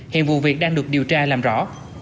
hiện vụ việc đang được điều tra làm rõ